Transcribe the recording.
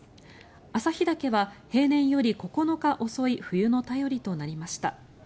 旭岳は平年より９日遅い冬の便りとなりました。